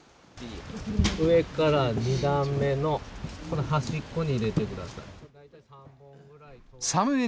上から２段目の、この端っこに入れてください。